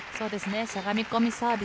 しゃがみ込みサーブ。